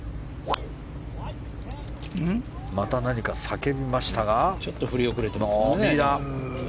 また何か叫びましたが。